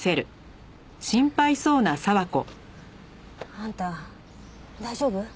あんた大丈夫？